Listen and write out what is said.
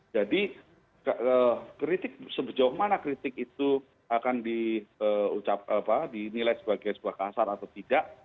jadi kritik sejauh mana kritik itu akan dinilai sebagai sebuah kasar atau tidak